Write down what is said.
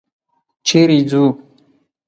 چېرې ځو؟